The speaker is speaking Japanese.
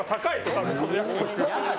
多分その約束。